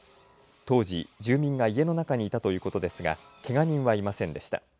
当時、住民が家の中にいたということですがけが人はいませんでした。